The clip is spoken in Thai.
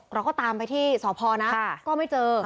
เราก็ตามไปที่สพนะก็ไม่เจอ